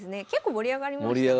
盛り上がりました。